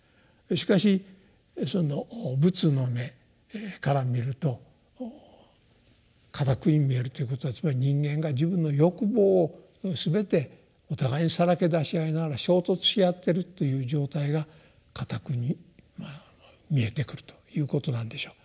しかしその仏の目から見ると火宅に見えるということはつまり人間が自分の欲望をすべてお互いにさらけ出し合いながら衝突し合っているっていう状態が火宅に見えてくるということなんでしょう。